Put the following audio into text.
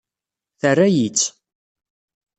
Terra-yi-tt.